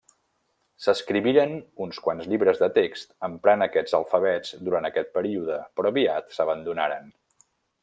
S'escriviren uns quants llibres de text emprant aquests alfabets durant aquest període, però aviat s'abandonaren.